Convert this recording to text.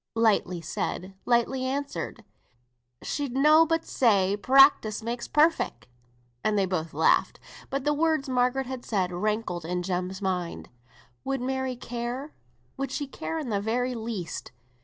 Lightly said, lightly answered. "She'd nobbut say, practice makes perfect." And they both laughed. But the words Margaret had said rankled in Jem's mind. Would Mary care? Would she care in the very least?